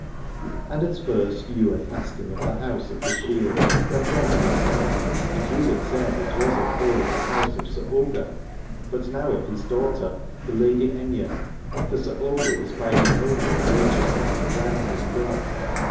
And first Ywain asked him of the house of the shield, wherefrom he had come ; and Hubert said that it was of old the house of Sir Ogier, but now of his daughter the Lady Aithne, for Sir Ogier was by his own out rageousness drowned and dead.